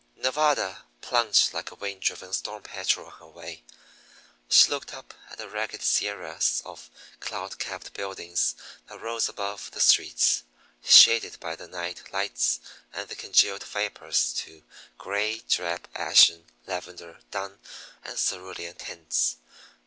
Nevada plunged like a wind driven storm petrel on her way. She looked up at the ragged sierras of cloud capped buildings that rose above the streets, shaded by the night lights and the congealed vapors to gray, drab, ashen, lavender, dun, and cerulean tints.